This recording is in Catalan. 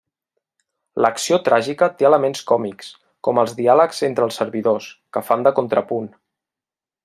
L'acció tràgica té elements còmics, com els diàlegs entre els servidors, que fan de contrapunt.